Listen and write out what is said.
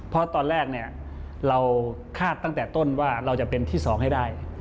เพราะตอนแรกเนี่ยเราคาดตั้งแต่ต้นว่าเราจะเป็นที่๒ให้ได้